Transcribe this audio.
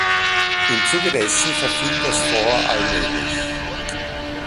Im Zuge dessen verfiel das Fort allmählich.